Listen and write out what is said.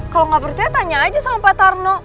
kalau nggak percaya tanya aja sama pak tarno